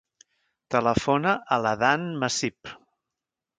Telefona a l'Adán Masip.